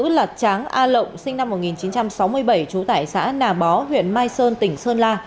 là tráng a lộng sinh năm một nghìn chín trăm sáu mươi bảy trú tại xã nà bó huyện mai sơn tỉnh sơn la